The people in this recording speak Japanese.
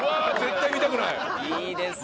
いいですね。